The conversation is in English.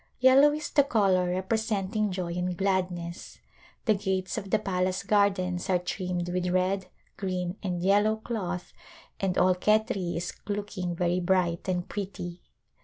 Yellow is the color representing joy and gladness. The gates of the pal ace gardens are trimmed with red, green and yellow cloth and all Khetri is looking very bright and pretty.